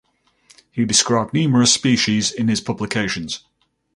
He described numerous species in his publications.